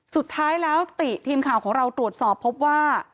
สุดท้ายแล้วติทีมข่าวของเราตรวจสอบพบว่า